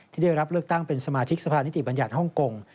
ที่ได้รับเลือกตั้งเป็นสมาชิกทรัพย์นิติบรรยาชน์ฮ่องกง